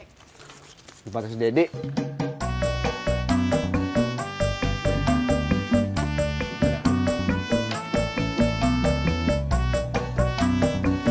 bikin membatasi deddy